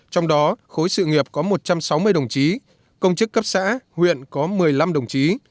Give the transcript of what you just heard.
trong đó khối sự nghiệp có một trăm sáu mươi đồng chí công chức cấp xã huyện có một mươi năm đồng chí